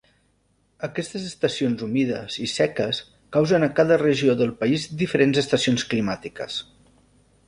Aquestes estacions humides i seques causen a cada regió del país diferents estacions climàtiques.